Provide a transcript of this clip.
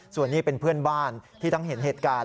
ส่วนนี้เป็นเพื่อนบ้านที่ทั้งเห็นเหตุการณ์